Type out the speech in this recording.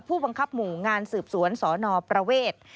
ผู้บังคับหมู่งานสืบสวนสนประเวท